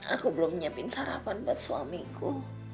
aku belum nyiapin sarapan buat suamiku